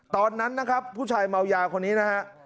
ตอนนั้นนะครับผู้ชายเมายาคนนี้นะฮะ